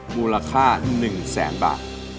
มูลค่า๑แสนบาท